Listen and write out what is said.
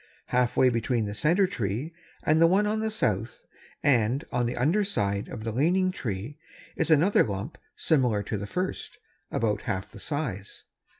Half way between the center tree and the one on the south, and on the under side of the leaning tree is another lump similar to the first, about half the size.